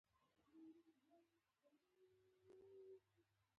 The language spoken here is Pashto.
افغانستان د ښارونو د ترویج لپاره پروګرامونه لري.